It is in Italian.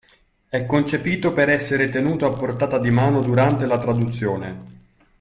È concepito per essere tenuto a portata di mano durante la traduzione.